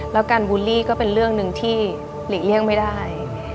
แล้วการบูลลี่ก็เป็นเรื่องหนึ่งที่หลีกเลี่ยงไม่ได้